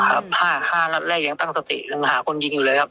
ห้าห้านัดแรกยังตั้งสติยังหาคนยิงอยู่เลยครับ